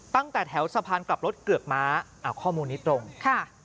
ตั้งแต่แถวสะพานกลับรถเกือกม้าอ่าข้อมูลนี้ตรงค่ะ